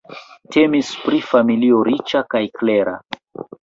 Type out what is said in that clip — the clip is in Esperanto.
Temis pri familio riĉa kaj klera.